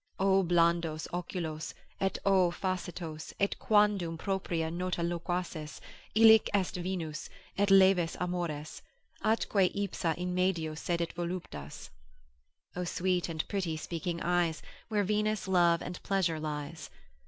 O blandos oculos, et o facetos, Et quadam propria nota loquaces Illic est Venus, et leves amores, Atque ipsa in medio sedet voluptas. O sweet and pretty speaking eyes, Where Venus, love, and pleasure lies.